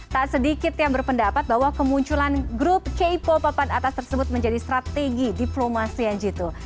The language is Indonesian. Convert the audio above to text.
tak sedikit yang berpendapat bahwa kemunculan grup k pop papan atas tersebut menjadi strategi diplomasi yang jitu